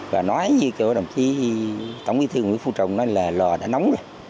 và nói như đồng chí tổng bí thư nguyễn phu trọng nói là lò đã nóng rồi